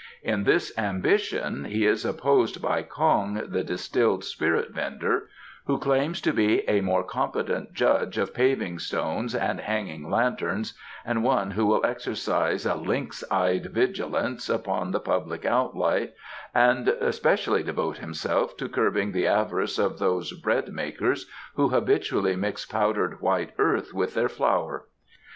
In this ambition he is opposed by Kong, the distilled spirit vendor, who claims to be a more competent judge of paving stones and hanging lanterns and one who will exercise a lynx eyed vigilance upon the public outlay and especially devote himself to curbing the avarice of those bread makers who habitually mix powdered white earth with their flour.